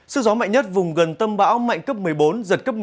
sức gió mạnh nhất vùng gần tâm bão mạnh cấp một mươi bốn giật cấp một mươi